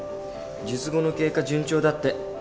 術後の経過順調だって。